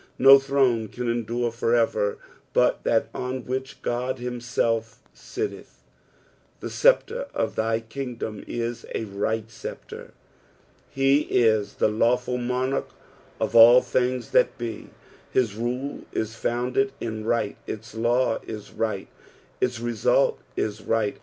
No throne can endure for ever, but that on which God liimself eitteth. "The teeptre qf thy kingdom is a right »eeptre." Heis the lawful monarch of all things that be, Hisruleis founded in right, its law is right, its result is right.